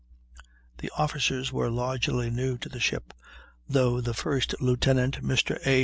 The officers were largely new to the ship, though the first lieutenant, Mr. A.